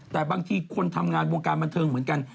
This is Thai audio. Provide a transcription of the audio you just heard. แต่บางทีคนทำงานวงการบันเทิงเหมือนกัน